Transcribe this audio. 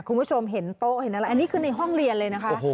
คุณผู้ชมเห็นโต๊ะเห็นอะไรอันนี้คือในห้องเรียนเลยนะคะ